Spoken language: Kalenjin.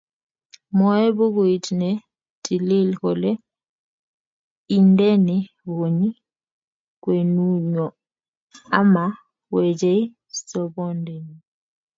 Mwoe bukuit ne tilil kole, indeni konyi kwenunyo, ama wechei sobondenyi